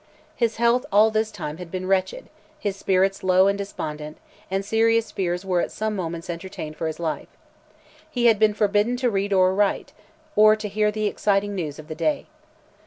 His health all this time had been wretched; his spirits low and despondent, and serious fears were at some moments entertained for his life. He had been forbidden to read or write, or to hear the exciting news of the day.